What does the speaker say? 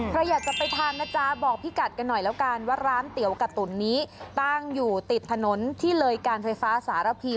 ใครอยากจะไปทานนะจ๊ะบอกพี่กัดกันหน่อยแล้วกันว่าร้านเตี๋ยวกะตุ๋นนี้ตั้งอยู่ติดถนนที่เลยการไฟฟ้าสารพี